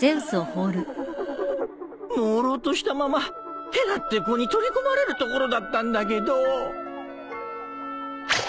もうろうとしたままヘラって子に取り込まれるところだったんだけど。